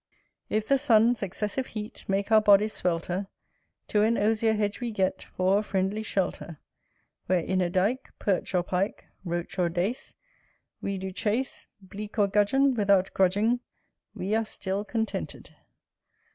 If the sun's excessive heat Make our bodies swelter, To an osier hedge we get For a friendly shelter Where, in a dike, Perch or Pike Roach or Dace We do chase Bleak or Gudgeon, Without grudging We are still contented.